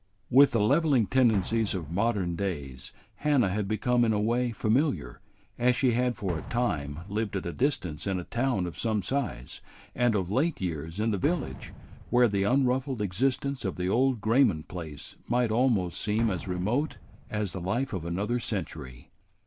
With the leveling tendencies of modern days Hannah had become in a way familiar, as she had for a time lived at a distance in a town of some size, and of late years in the village, where the unruffled existence of the old Grayman place might almost seem as remote as the life of another century.